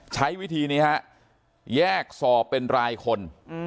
ใช้วิธีนี้ฮะแยกสอบเป็นรายคน